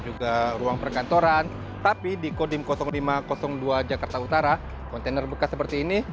juga ruang pergantoran tapi di kodim lima ratus dua jakarta utara kontainer bekas seperti ini